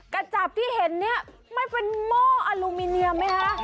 กระจับที่เห็นเนี่ยมันเป็นหม้ออลูมิเนียมไหมคะ